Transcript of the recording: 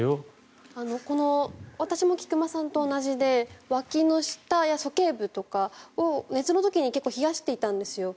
私も菊間さんと同じでわきの下や鼠径部とかを熱の時に冷やしていたんですよ。